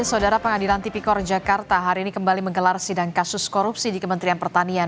saudara pengadilan tipikor jakarta hari ini kembali menggelar sidang kasus korupsi di kementerian pertanian